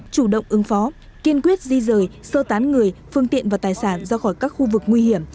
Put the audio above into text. chủ động ứng phó kiên quyết di rời sơ tán người phương tiện và tài sản ra khỏi các khu vực nguy hiểm